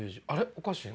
おかしいな。